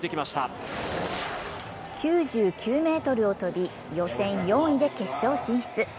９９ｍを飛び、予選４位で決勝進出。